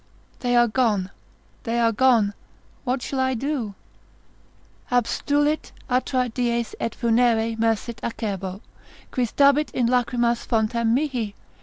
They are gone, they are gone; what shall I do? Abstulit atra dies et funere mersit acerbo, Quis dabit in lachrymas fontem mihi?